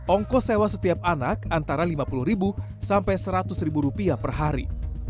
ongkos sewa setiap anak antara lima puluh sampai seratus rupiah per hari